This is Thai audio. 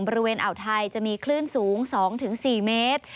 บริเวณอ่าวไทยจะมีคลื่นสูง๒๔เมตร